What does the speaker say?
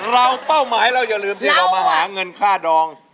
เป้าหมายเราอย่าลืมที่เรามาหาเงินค่าดอง